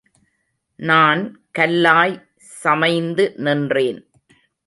நான் கல்லாய் சமைந்து நின்றேன்.